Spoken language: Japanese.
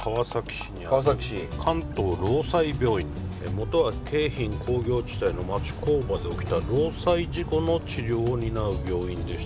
元は京浜工業地帯の町工場で起きた労災事故の治療を担う病院でした。